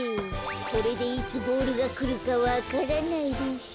これでいつボールがくるかわからないでしょ。